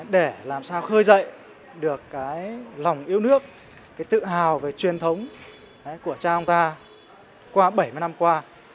để làm sao khơi dậy được cái lòng yêu nước cái tự hào về truyền thống của cha ông ta qua bảy mươi năm qua